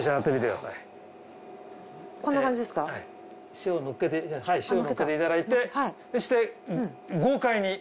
塩のっけていただいてそして豪快に。